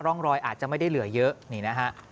ร่องรอยอาจจะไม่ได้เหลือเยอะนี่นะฮะ